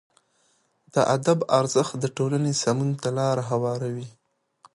د ادب ارزښت د ټولنې سمون ته لاره هواروي.